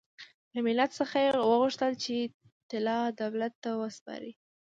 له ملت څخه یې وغوښتل چې طلا دولت ته وسپاري.